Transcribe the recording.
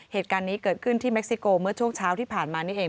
เหตุการณ์นี้เกิดขึ้นที่เม็กซิโกเมื่อช่วงเช้าที่ผ่านมานี่เอง